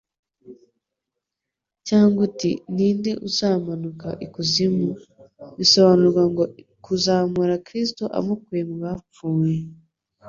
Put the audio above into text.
Cyangwa uti, ‘Ni nde uzamanuka ikuzimu?” ( Bisobanurwa ngo: kuzamura Kristo amukuye mu bapfuye).